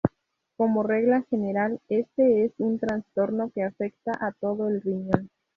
Como regla general, este es un trastorno que afecta a todo el riñón.